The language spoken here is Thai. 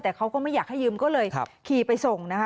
แต่เขาก็ไม่อยากให้ยืมก็เลยขี่ไปส่งนะคะ